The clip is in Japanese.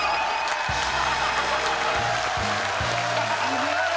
すごーい！